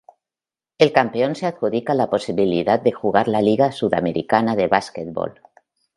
El campeón se adjudica la posibilidad de jugar la Liga Sudamericana de Basquetbol.